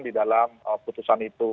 di dalam putusan itu